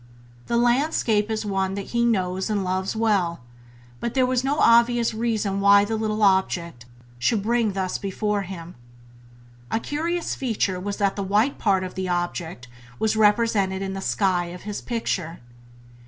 The landscape is one that he knows and loves well, but there was no obvious reason why the little object should bring thus before him. A curious feature was that the white part of that object was represented in the sky of his picture.